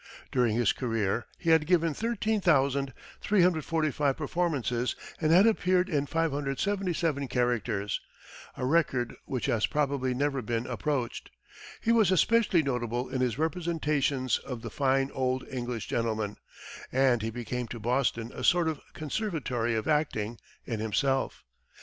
During his career, he had given 13,345 performances and had appeared in 577 characters, a record which has probably never been approached. He was especially notable in his representations of the "fine old English gentleman," and he became to Boston a sort of Conservatory of Acting in himself.